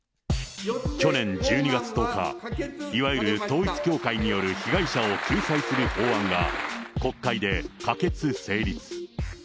去年１２月１０日、いわゆる統一教会による被害者を救済する法案が、国会で可決・成立。